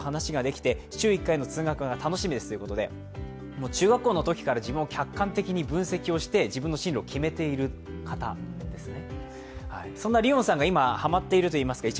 もう中学校のときから自分を客観的に分析をして自分の進路を決めている方ですね。